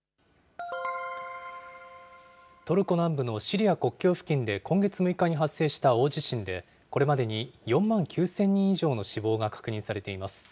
トルコ南部のシリア国境付近で今月６日に発生した大地震で、これまでに４万９０００人以上の死亡が確認されています。